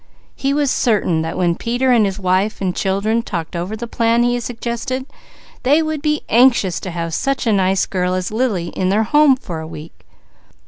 He was certain that when Peter and his wife and children talked over the plan he had suggested they would be anxious to have such a nice girl as Lily in their home for a week.